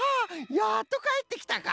やっとかえってきたか。